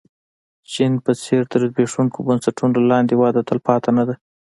چین په څېر تر زبېښونکو بنسټونو لاندې وده تلپاتې نه ده.